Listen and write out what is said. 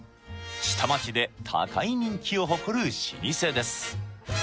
下町で高い人気を誇る老舗です